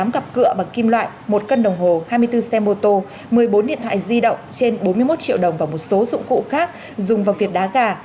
tám cặp cửa bằng kim loại một cân đồng hồ hai mươi bốn xe mô tô một mươi bốn điện thoại di động trên bốn mươi một triệu đồng và một số dụng cụ khác dùng vào việc đá gà